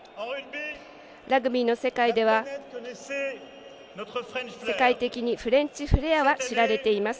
ラグビーの世界では世界的にフレンチフレアは知られています。